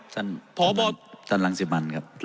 ท่านพบท่านรังสิมันครับ